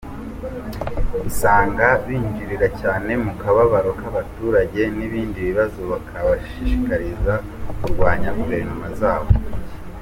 Usanga binjirira cyane mu kababaro k’abaturage n’ibindi bibazo bakabashishikariza kurwanya guverinoma zabo.